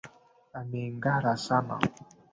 Ameng'ara sana